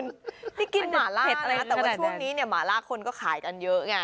นี่กินหมาล่านะแต่ว่าช่วงนี้หมาล่าคนก็ขายกันเยอะไง